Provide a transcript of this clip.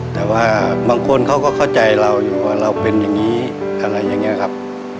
แต่ว่าบางคนเขาก็เข้าใจเราอยู่ว่าเราเป็นอย่างนี้อะไรอย่างนี้ครับ